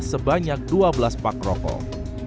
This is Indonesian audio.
sebanyak dua belas pak rokok